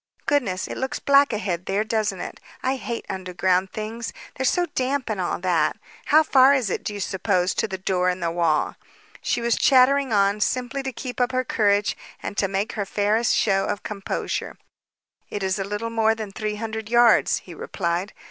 Goodness, it looks black ahead there, doesn't it? I hate underground things. They're so damp and all that. How far is it, do you suppose, to the door in the wall?" She was chattering on, simply to keep up her courage and to make her fairest show of composure. "It's a little more than three hundred yards," he replied.